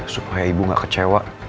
supaya ibu gak kecewa